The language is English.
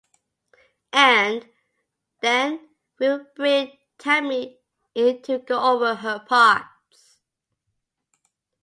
And, then we would bring Tammi in to go over her parts.